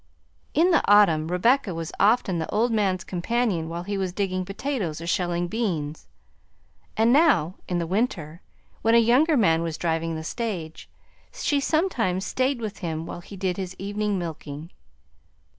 In the autumn Rebecca was often the old man's companion while he was digging potatoes or shelling beans, and now in the winter, when a younger man was driving the stage, she sometimes stayed with him while he did his evening milking.